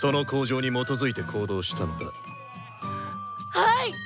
はい！